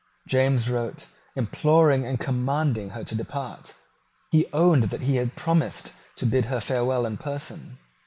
James wrote, imploring and commanding her to depart. He owned that he had promised to bid her farewell in person.